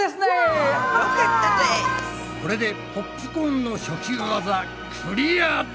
これでポップコーンの初級ワザクリアだ！